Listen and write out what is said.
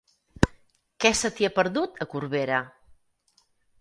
Què se t'hi ha perdut, a Corbera?